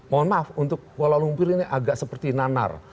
mohon maaf untuk walau ngumpirinnya agak seperti nanar